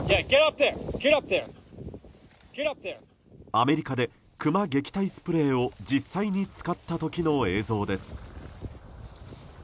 アメリカでクマ撃退スプレーを実際に使った時の映像です。